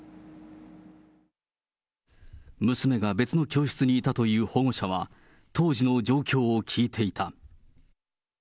娘が別の教室にいたという保護者は、当時の状況を聞いていた。